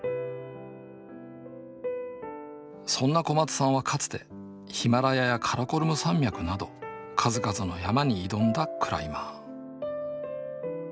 そんな小松さんはかつてヒマラヤやカラコルム山脈など数々の山に挑んだクライマー。